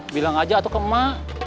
bilang aja atau kema